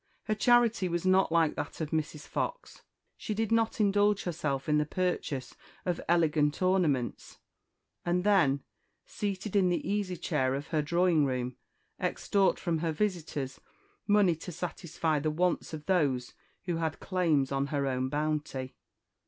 Her charity was not like that of Mrs. Fox; she did not indulge herself in the purchase of elegant ornaments, and then, seated in the easy chair of her drawing room, extort from her visitors money to satisfy the wants of those who had claims on her own bounty.